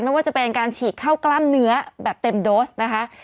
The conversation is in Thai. ไม่ว่าจะเป็นการฉีกเข้ากล้ามเนื้อแบบเต็มโดสนะคะ